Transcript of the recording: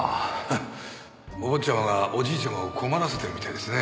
お坊ちゃまがおじいちゃまを困らせてるみたいですね。